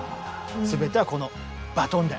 全てはこのバトンで。